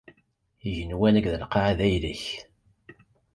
Igenwan akked lqaɛa d ayla-k!